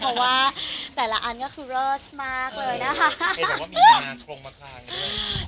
เพราะว่าแต่ละอันก็คือเลิศมากเลยนะคะเห็นแต่ว่ามีการพรงมาทางด้วย